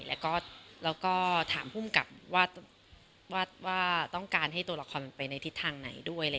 แล้วก็ถามภูมิกับว่าต้องการให้ตัวละครมันไปในทิศทางไหนด้วย